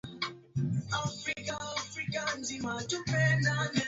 Rwanda inasisitizwa kwamba jamhuri ya kidemokrasia ya Kongo na Rwanda